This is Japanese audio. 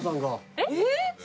えっ！